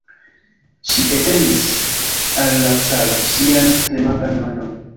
Ŝi etendis al la caro sian tremantan manon.